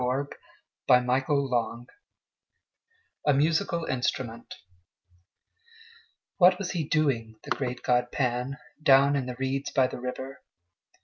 Elizabeth Barrett Browning A Musical Instrument WHAT was he doing, the great god Pan, Down in the reeds by the river?